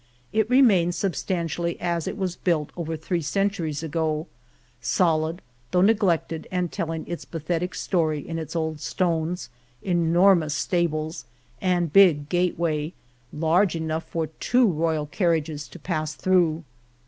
It remains substantially as it was built over three centuries ago, solid, though neglected and telling its pathetic story in its old stones, enormous stables, and big gateway, large enough for two royal carriages to pass through.